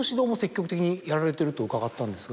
やられてると伺ったんですが。